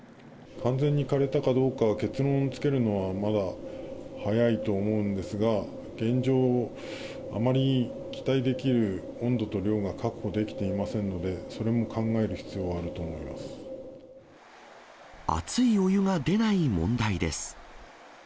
完全にかれたかどうか、結論づけるのはまだ早いと思うんですが、現状、あまり期待できる温度と量が確保できていませんので、それも考え熱いお湯が出ない問題です。